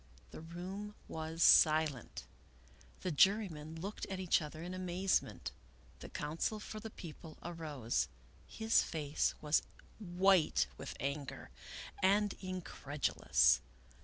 The room was silent. The jurymen looked at each other in amazement. The counsel for the People arose. His face was white with anger, and in credulous.